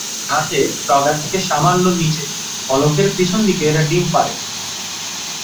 ঘাসের ডগা থেকে সামান্য নিচে, ফলকের পিছন দিকে এরা ডিম পাড়ে।